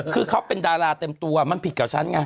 คือเขาเป็นดาราเต็มตัวมันผิดกับฉันไง